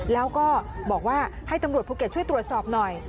แล้วก็บอกว่าให้ตำรวจภูเก็ตช่วยตรวจสอบหน่อย